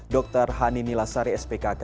dr hanini lasari spkk